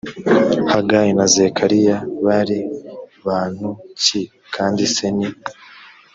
hagayi na zekariya bari bantu ki kandi se ni